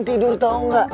tidur tau gak